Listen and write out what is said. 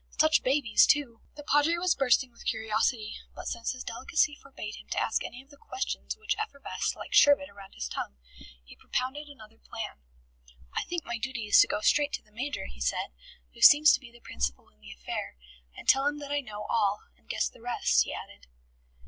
Such babies, too!" The Padre was bursting with curiosity, but since his delicacy forbade him to ask any of the questions which effervesced like sherbet round his tongue, he propounded another plan. "I think my duty is to go straight to the Major," he said, "who seems to be the principal in the affair, and tell him that I know all and guess the rest," he added.